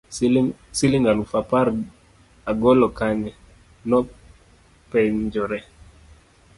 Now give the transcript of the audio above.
siling' aluf apar agol kanye? nopenyore